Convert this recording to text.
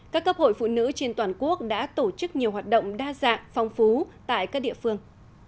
các cấp hội phụ nữ trên toàn quốc đã tổ chức nhiều hoạt động đa dạng phong phú tại các địa phương